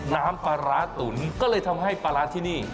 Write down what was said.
น้ำปลาร้าตุ๋นก็เลยทำให้ปลาร้าที่นี่